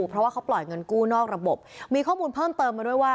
เพราะว่าเขาปล่อยเงินกู้นอกระบบมีข้อมูลเพิ่มเติมมาด้วยว่า